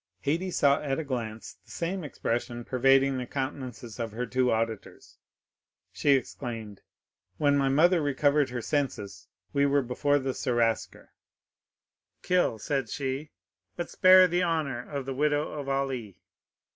Haydée saw at a glance the same expression pervading the countenances of her two auditors; she continued: "When my mother recovered her senses we were before the seraskier. 'Kill,' said she, 'but spare the honor of the widow of Ali.